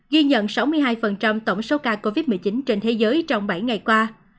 ghi nhận sáu mươi hai tổng số ca covid một mươi chín trên thế giới trong bảy ngày qua